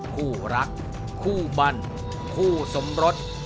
คู่รักคู่บันคู่สมรส